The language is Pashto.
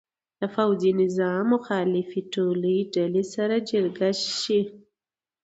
د پوځي نظام مخالفې ټولې ډلې سره جرګه شي.